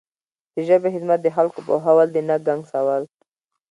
د ژبې خدمت د خلکو پوهول دي نه ګنګسول.